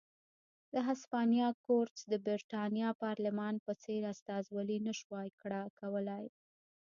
د هسپانیا کورتس د برېټانیا پارلمان په څېر استازولي نه شوای کولای.